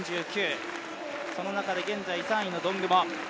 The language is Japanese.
その中で現在３位のドングモ。